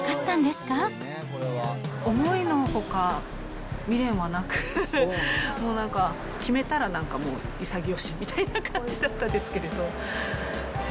思いのほか、未練はなく、もうなんか、決めたらなんかもう、潔しみたいな感じだったですけど。